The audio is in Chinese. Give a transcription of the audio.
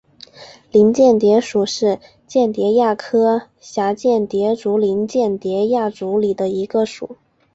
林蚬蝶属是蚬蝶亚科蛱蚬蝶族林蚬蝶亚族里的一个属。